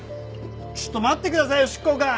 ちょっと待ってくださいよ執行官！